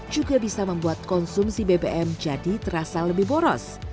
juga bisa membuat konsumsi bbm jadi terasa lebih boros